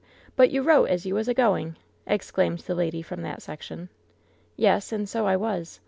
But you wrote as you was a going!" exclaimed the lady from that section. '^ Yes, and so I was.